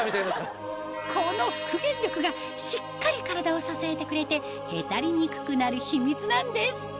この復元力がしっかり体を支えてくれてへたりにくくなる秘密なんです